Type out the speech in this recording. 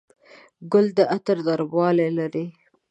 ګل د عطر نرموالی لري.